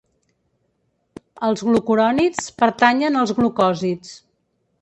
Els glucurònids pertanyen als glucòsids.